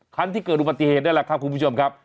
ครั้นที่เกิดอุบัติเหตุได้หล่ะครับครับผู้ผู้ชมครับ